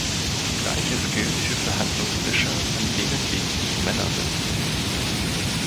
Gleiches gilt für Verhandlungstische, an denen lediglich Männer sitzen.